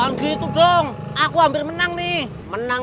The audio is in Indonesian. enak jawabnya engkau porque t handicap dad